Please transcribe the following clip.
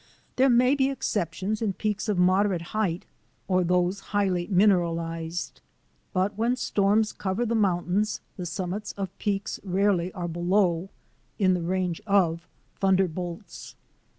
There may be exceptions in peaks of moderate height or those highly mineralized. But when storms cover the mountains the summits of peaks rarely are below — in range of — thunder bolts.